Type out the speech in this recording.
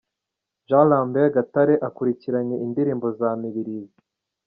Jean Lambert Gatare, akurikiranye indirimbo za Mibirizi.